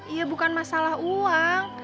iya bukan masalah uang